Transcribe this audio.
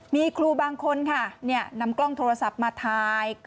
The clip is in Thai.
มีครูบางคนค่ะนำกล้องโทรศัพท์มาถ่าย